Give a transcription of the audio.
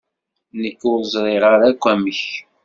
Nekk ur ẓriɣ ara akk amek.